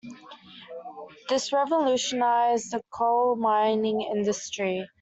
This revolutionised the coal mining industry.